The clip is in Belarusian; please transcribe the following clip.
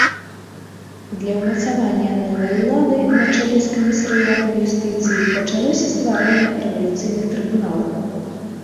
Для ўмацавання новай улады на чале з камісарыятам юстыцыі пачалося стварэнне рэвалюцыйных трыбуналаў.